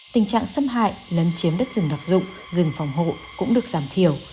tình trạng xâm hại lấn chiếm đất rừng đặc dụng rừng phòng hộ cũng được giảm thiểu